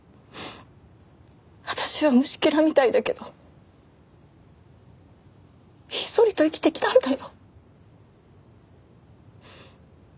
私は虫けらみたいだけどひっそりと生きてきたんだよ。